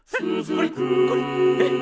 これこれえっ？